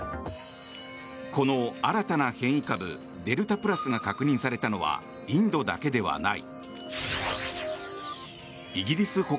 この新たな変異株デルタプラスが確認されたのはインドだけではない。